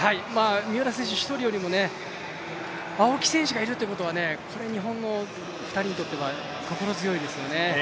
三浦選手１人よりも、青木選手がいるということはこれ日本の２人にとっては心強いですよね。